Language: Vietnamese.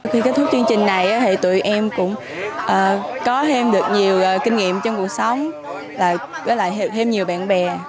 khi kết thúc chương trình này thì tụi em cũng có thêm được nhiều kinh nghiệm trong cuộc sống với lại thêm nhiều bạn bè